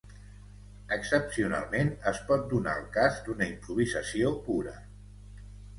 Excepcionalment, es pot donar el cas d'una improvisació pura.